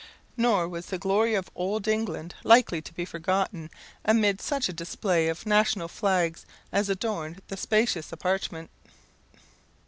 Nor was the glory of old England likely to be forgotten amid such a display of national flags as adorned the spacious apartment.